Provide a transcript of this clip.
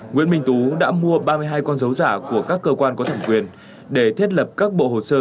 nguyễn minh tú đã mua ba mươi hai con dấu giả của các cơ quan có thẩm quyền để thiết lập các bộ hồ sơ